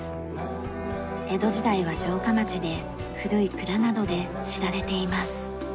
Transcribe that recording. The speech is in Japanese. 江戸時代は城下町で古い蔵などで知られています。